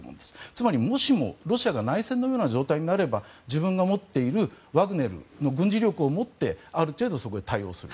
つまりもしも、ロシアが内戦のような状態になれば自分が持っているワグネルの軍事力をもってある程度、そこで対応する。